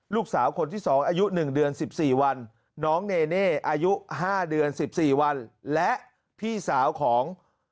ลูกสาวคนที่๒อายุ๑เดือน๑๔วันน้องเน่อายุ๕เดือน๑๔วัน